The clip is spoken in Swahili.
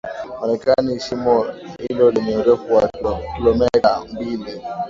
Marekani Shimo hilo lenye urefu wa kilometa mbili